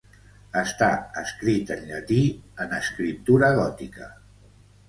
Està escrit en llatí, en escriptura gòtica.